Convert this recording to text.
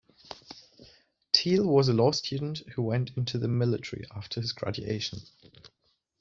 Teele was a law student who went into the military after his graduation.